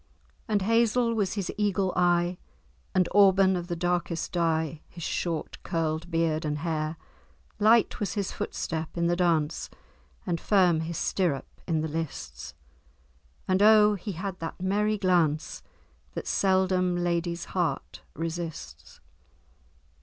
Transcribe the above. And hazel was his eagle eye, And auburn of the darkest dye, His short curl'd beard and hair. Light was his footstep in the dance, And firm his stirrup in the lists; And oh! he had that merry glance, That seldom lady's heart resists."